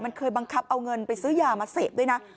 มันเคยบังคับเอาเงินไปซื้อยามาเสพด้วยนะ